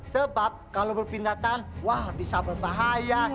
sebab kalau berpindah tan wah bisa berbahaya